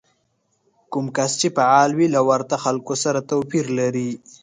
کوم کس چې فعال وي له ورته خلکو سره توپير لري.